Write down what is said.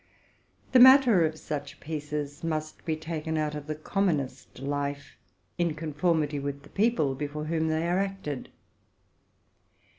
The matter of such plays must be taken from the commonest life, in conformity with the people before whom they are acted.